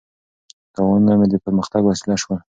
تاوانونه مې د پرمختګ وسیله شول.